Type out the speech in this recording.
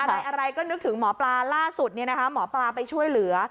อะไรก็นึกถึงหมอปลาล่าสุดหมอปลาไปช่วยเหลือ